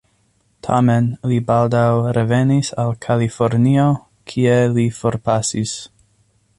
Tamen, li baldaŭ revenis al Kalifornio, kie li forpasis.